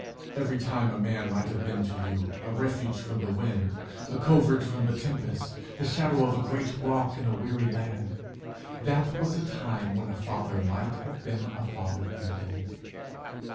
Every time a man might have been to you a refuge from the wind, a covert from the tempest, the shadow of a great rock in a weary land, that was a time when a father might have been a father indeed.